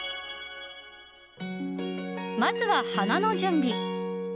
まずは、花の準備。